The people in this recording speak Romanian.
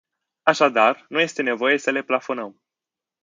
Așadar, nu este nevoie să le plafonăm.